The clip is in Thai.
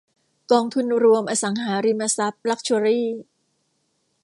กองทุนรวมอสังหาริมทรัพย์ลักซ์ชัวรี่